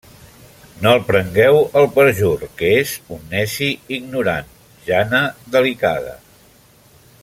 No el prengueu el perjur, que és un neci ignorant, Jana delicada.